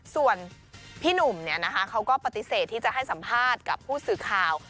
ส่วนพี่หนุ่มเขาก็ปฏิเสธที่จะให้สัมภาษณ์กับผู้สื่อข่าว